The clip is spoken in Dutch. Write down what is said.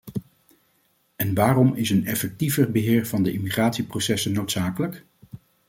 En waarom is een effectiever beheer van de immigratieprocessen noodzakelijk?